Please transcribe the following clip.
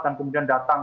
dan kemudian datang